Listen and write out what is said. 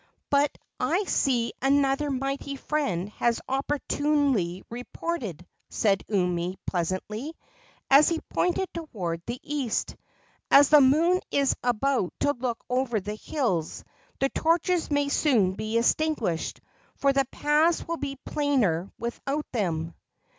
"But I see another mighty friend has opportunely reported," said Umi, pleasantly, as he pointed toward the east. "As the moon is about to look over the hills, the torches may soon be extinguished, for the paths will be plainer without them."